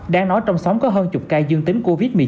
đang nói trong xóm có hơn chục ca dương tính covid một mươi chín